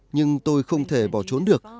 nhưng tôi không thể bỏ trốn được